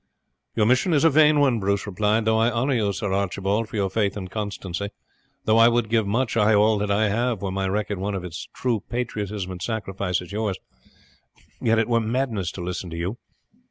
"Your mission is a vain one," Bruce replied. "Though I honour you, Sir Archibald, for your faith and constancy; though I would give much, ay all that I have, were my record one of as true patriotism and sacrifice as yours, yet it were madness to listen to you.